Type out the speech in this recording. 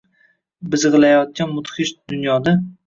Bijgʼiyotgan mudhish dunyoda